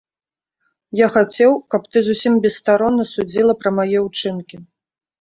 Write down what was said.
Я хацеў, каб ты зусім бесстаронна судзіла пра мае ўчынкі.